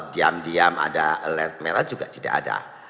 diam diam ada alert merah juga tidak ada